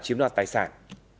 chiếm đoạt tài sản